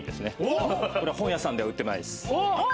これは本屋さんでは売ってない。